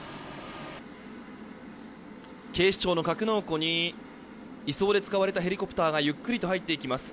警視庁の格納庫に移送で使われたヘリコプターがゆっくりと入っていきます。